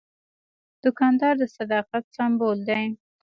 دوکاندار د صداقت سمبول دی.